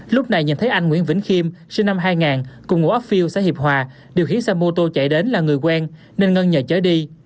lúc này nhận thấy anh nguyễn vĩnh khiêm sinh năm hai nghìn cùng ngụ ấp phiêu xã hiệp hòa điều khiển xe mô tô chạy đến là người quen nên ngân nhờ chở đi